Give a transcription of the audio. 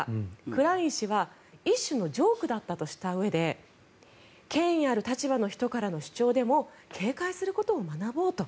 クライン氏は一種のジョークだったとしたうえで権威ある立場の人からの主張でも警戒することを学ぼうと。